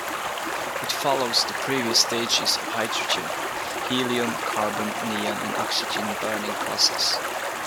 It follows the previous stages of hydrogen, helium, carbon, neon and oxygen burning processes.